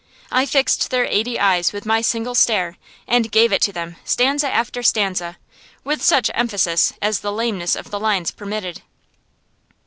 I fixed their eighty eyes with my single stare, and gave it to them, stanza after stanza, with such emphasis as the lameness of the lines permitted.